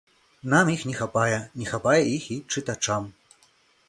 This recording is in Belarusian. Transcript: Нам іх не хапае, не хапае іх і чытачам.